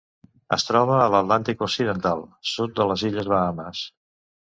Es troba a l'Atlàntic occidental: sud de les Illes Bahames.